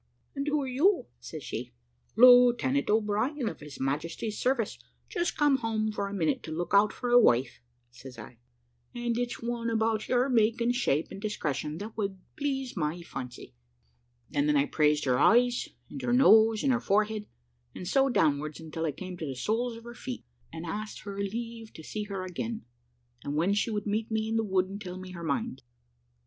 "`And who are you?' says she. "`Lieutenant O'Brien, of His Majesty's service, just come home for a minute to look out for a wife,' says I; `and it's one about your make, and shape, and discretion, that would please my fancy.' "And then I praised her eyes, and her nose, and her forehead, and so downwards, until I came to the soles of her feet; and asked her leave to see her again, and when she would meet me in the wood and tell me her mind.